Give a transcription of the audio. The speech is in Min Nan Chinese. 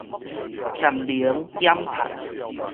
儉能減碳